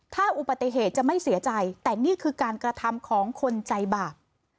ถ้าอุบัติเหตุจะไม่เสียใจแต่นี่คือการกระทำของคนใจบาป